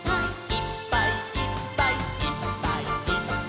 「いっぱいいっぱいいっぱいいっぱい」